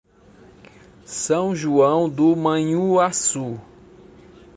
São João do Manhuaçu